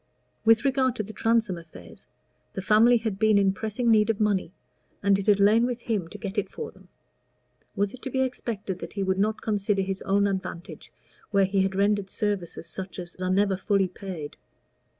With regard to the Transome affairs, the family had been in pressing need of money, and it had lain with him to get it for them: was it to be expected that he would not consider his own advantage where he had rendered services such as are never fully paid?